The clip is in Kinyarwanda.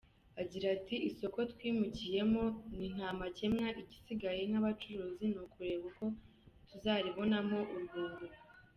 Agira ati “Isoko twimukiyemo ni ntamakemwa igisigaye nk’abacuruzi ni ukureba ko tuzaribonamo urwunguko.